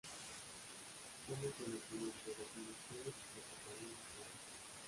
Tomen conocimiento los Ministerios y Secretarías de Estados.